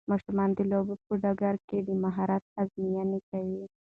ماشومان د لوبو په ډګر کې د مهارت ازموینه کوي.